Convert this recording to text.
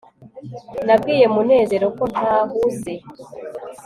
nabwiye munezero ko ntahuze